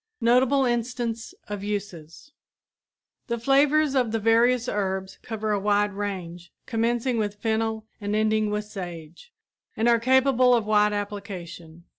NOTABLE INSTANCE OF USES The flavors of the various herbs cover a wide range, commencing with fennel and ending with sage, and are capable of wide application.